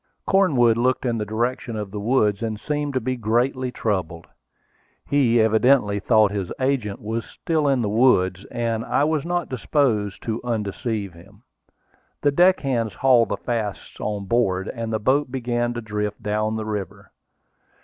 Cornwood looked in the direction of the woods, and seemed to be greatly troubled. He evidently thought his agent was still in the woods, and I was not disposed to undeceive him. The deckhands hauled the fasts on board, and the boat began to drift down the river.